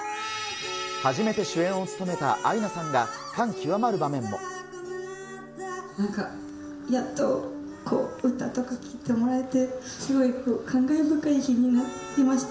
初めて主演を務めたアイナさなんか、やっと、歌とか聴いてもらえて、すごい感慨深い日になりました。